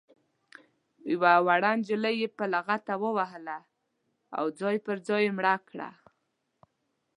یوه وړه نجلۍ یې په لغته ووهله او ځای پر ځای یې مړه کړه.